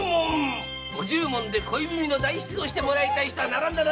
五十文で恋文の代筆をしてもらいたい人は並んで。